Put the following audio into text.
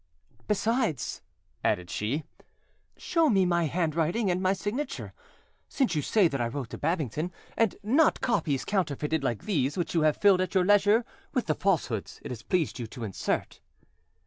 "Besides," added she, "show me my handwriting and my signature, since you say that I wrote to Babington, and not copies counterfeited like these which you have filled at your leisure with the falsehoods it has pleased you to insert."